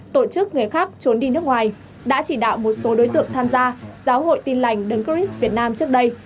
tổ chức người khác trốn đi nước ngoài đã chỉ đạo một số đối tượng tham gia giáo hội tin lành đấng cris việt nam trước đây